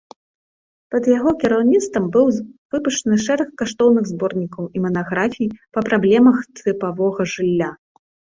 Пад яго кіраўніцтвам быў выпушчаны шэраг каштоўных зборнікаў і манаграфій па праблемах тыпавога жылля.